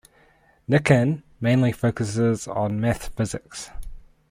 Nikan mainly focuses on Math-Physics.